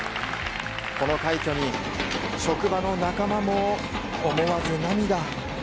この快挙に職場の仲間も思わず涙。